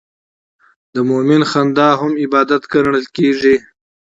د مؤمن خندا هم عبادت ګڼل کېږي.